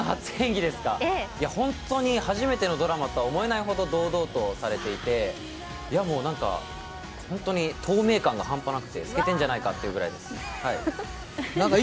本当に初めてのドラマと思えないほど堂々とされていて、本当に透明感がハンパなくて透けてるんじゃないかって感じです。